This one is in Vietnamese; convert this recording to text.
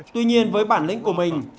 tuy nhiên với bản lĩnh của mình